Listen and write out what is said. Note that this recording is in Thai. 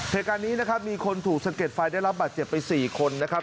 เหตุการณ์นี้นะครับมีคนถูกสะเก็ดไฟได้รับบาดเจ็บไป๔คนนะครับ